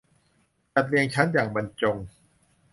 จัดเรียงชั้นอย่างบรรจง